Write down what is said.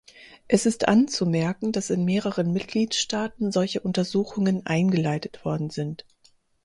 Es ist anzumerken, dass in mehreren Mitgliedstaaten solche Untersuchungen eingeleitet worden sind.